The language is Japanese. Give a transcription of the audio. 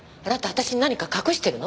私に何か隠してるの？